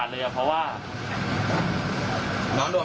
ลูกสาวหลายครั้งแล้วว่าไม่ได้คุยกับแจ๊บเลยลองฟังนะคะ